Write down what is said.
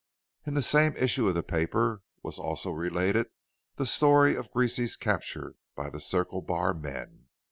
In the same issue of the paper was also related the story of Greasy's capture by the Circle Bar men.